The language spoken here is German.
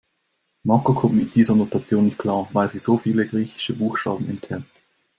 Marco kommt mit dieser Notation nicht klar, weil sie so viele griechische Buchstaben enthält.